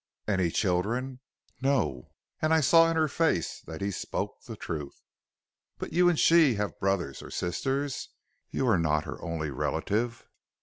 "'Any children?' "'No.' And I saw in her face that he spoke the truth. "'But you and she have brothers or sisters? You are not her only relative?'